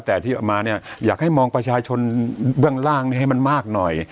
แต่ที่เอามาเนี่ยอยากให้มองประชาชนเบื้องล่างนี้ให้มันมากหน่อย